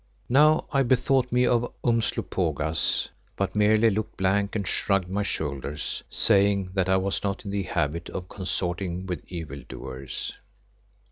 Now I bethought me of Umslopogaas, but merely looked blank and shrugged my shoulders, saying that I was not in the habit of consorting with evil doers.